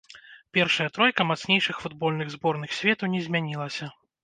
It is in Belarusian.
Першая тройка мацнейшых футбольных зборных свету не змянілася.